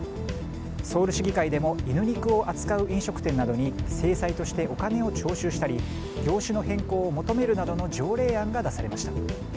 ソウル市議会でも犬肉を扱う飲食店などに制裁としてお金を徴収したり業種の変更を求めるなどの条例案が出されました。